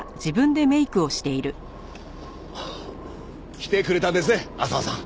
来てくれたんですね浅輪さん。